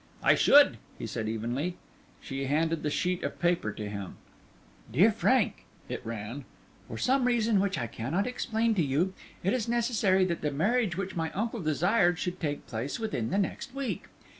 "I should," he said, evenly. She handed the sheet of paper to him. "DEAR FRANK," it ran, "for some reason which I cannot explain to you, it is necessary that the marriage which my uncle desired should take place within the next week.